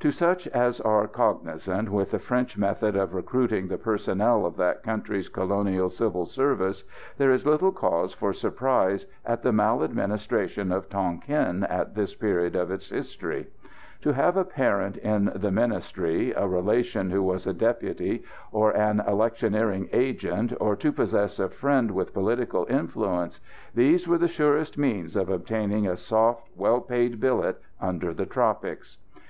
To such as are cognisant with the French methods of recruiting the personnel of that country's colonial civil service, there is little cause for surprise at the maladministration of Tonquin at this period of its history. To have a parent in the Ministry, a relation who was a deputy, or an electioneering agent, or to possess a friend with political influence these were the surest means of obtaining a soft, well paid billet under the tropics.